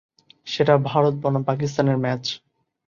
সেটা ভারত বনাম পাকিস্তানের ম্যাচ।